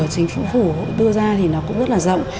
đối tượng của chính phủ đưa ra thì nó cũng rất là rộng